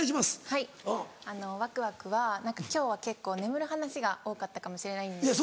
はいワクワクは今日は結構眠る話が多かったかもしれないんですけど。